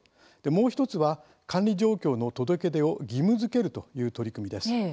もう１つは管理状況の届け出を義務づけるという取り組みです。